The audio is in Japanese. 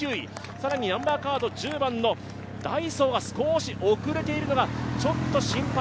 更に１０番のダイソーが少し遅れているのがちょっと心配。